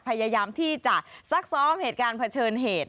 พยายามที่จะซักซ้อมเหตุการณ์เผชิญเหตุ